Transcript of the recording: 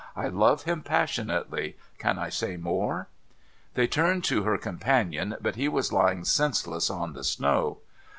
I love him passionately. Can I say more ?' They turned to her companion, but he was lying senseless on the snow.